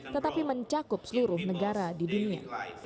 tetapi mencakup seluruh negara di dunia